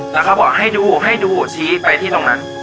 แล้วเขาบอกให้ดูให้ดูชี้ไปที่ตรงนั้น